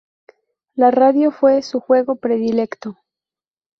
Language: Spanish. La radio fue su juego predilecto.